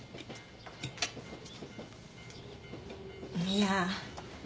いや。